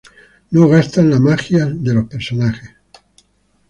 No gastan las magias de los personajes.